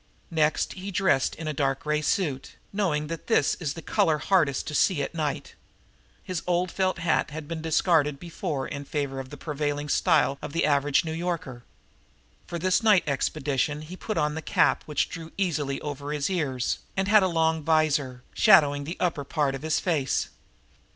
Next he dressed in a dark gray suit, knowing that this is the color hardest to see at night. His old felt hat he had discarded long before in favor of the prevailing style of the average New Yorker. For this night expedition he put on a cap which drew easily over his ears and had a long visor, shadowing the upper part of his face.